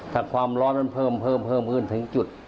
ถ้าความร้อนมันเพิ่มเพิ่มขึ้นถึงจุด